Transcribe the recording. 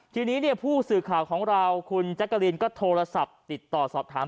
ทีนี้เนี่ยผู้สื่อข่าวของเราคุณแจ๊กกะลีนก็โทรศัพท์ติดต่อสอบถาม